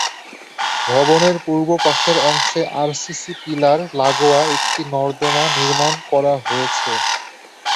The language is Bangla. ভবনের পূর্বপাশের অংশে আরসিসি পিলার লাাগোয়া একটি নর্দমা নির্মাণ করা হয়েছে।